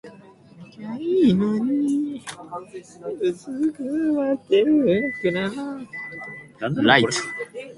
A sighting laser may also be added to a weapon-mounted tactical light.